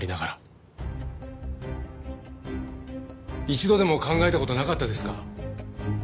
一度でも考えた事なかったですか？